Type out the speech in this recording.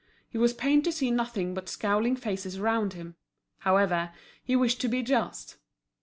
He was pained to see nothing but scowling faces around him. However, he wished to be just.